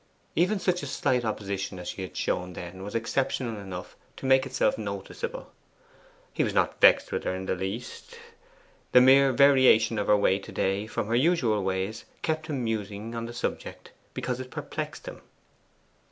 Even such slight opposition as she had shown then was exceptional enough to make itself noticeable. He was not vexed with her in the least: the mere variation of her way to day from her usual ways kept him musing on the subject, because it perplexed him.